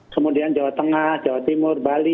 kemudian jawa tengah jawa timur bali